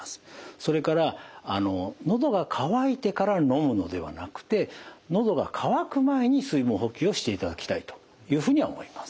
それから喉が渇いてから飲むのではなくて喉が渇く前に水分補給をしていただきたいというふうには思います。